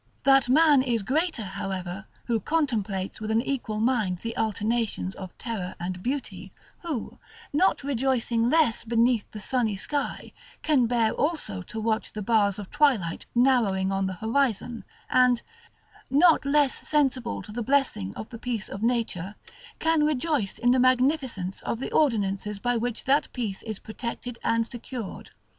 That man is greater, however, who contemplates with an equal mind the alternations of terror and of beauty; who, not rejoicing less beneath the sunny sky, can bear also to watch the bars of twilight narrowing on the horizon; and, not less sensible to the blessing of the peace of nature, can rejoice in the magnificence of the ordinances by which that peace is protected and secured.